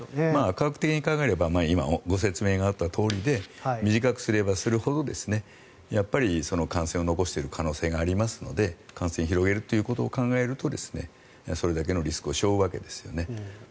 科学的に考えれば今、ご説明があったとおりで短くすればするほど感染を残している可能性がありますので、感染を広げるということを考えるとそれだけのリスクを背負うわけですね。